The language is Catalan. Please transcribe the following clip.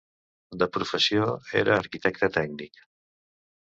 De professió era arquitecte tècnic.